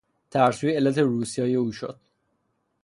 ترسویی علت روسیاهی او شد.